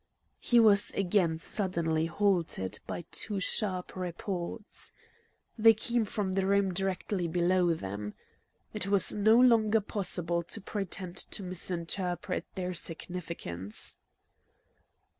He was again suddenly halted by, two sharp reports. They came from the room directly below them. It was no longer possible to pretend to misinterpret their significance.